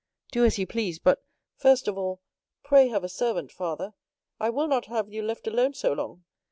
"Do as you please; but, first of all, pray have a servant, father. I will not have you left alone so long.